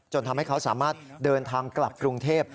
ทำให้เขาสามารถเดินทางกลับกรุงเทพ